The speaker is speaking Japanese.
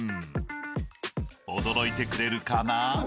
［驚いてくれるかな？］